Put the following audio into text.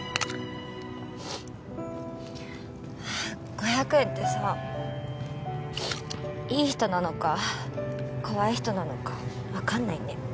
５００円ってさいい人なのか怖い人なのかわかんないね。